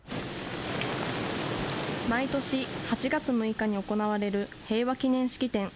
毎年８月６日に行われる平和記念式典。